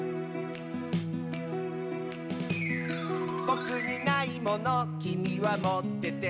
「ぼくにないものきみはもってて」